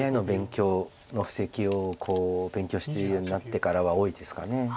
ＡＩの布石を勉強しているようになってからは多いですかね。